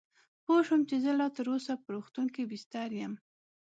پوه شوم چې زه لا تراوسه په روغتون کې بستر یم.